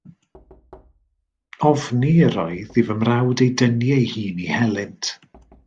Ofni yr oedd i fy mrawd ei dynnu ei hun i helynt.